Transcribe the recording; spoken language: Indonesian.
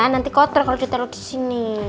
nanti kotor kalau ditaruh di sini